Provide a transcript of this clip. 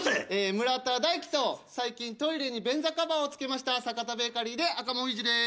村田大樹と最近トイレに便座カバーをつけました阪田ベーカリーで赤もみじです